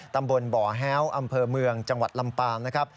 ตำบลบ่อแฮ้วอำเภอเมืองจังหวัดลำปางนะครับ